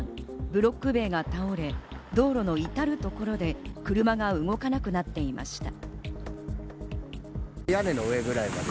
ブロック塀が倒れ、道路のいたるところで車が動かなくなっていました。